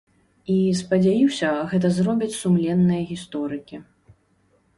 І, спадзяюся, гэта зробяць сумленныя гісторыкі.